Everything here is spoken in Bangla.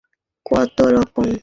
সবাই কি চেন্নাই থেকে এসেছেন?